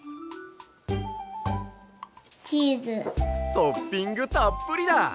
トッピングたっぷりだ！